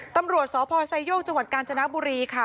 ตำรวจสพไซโยกจังหวัดกาญจนบุรีค่ะ